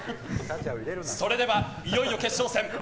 それでは、いよいよ決勝戦。